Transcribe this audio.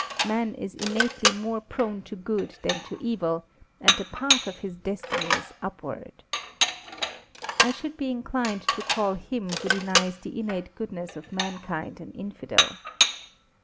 Man is innately more prone to good than to evil; and the path of his destiny is upward. I should be inclined to call him who denies the innate goodness of mankind an "Infidel."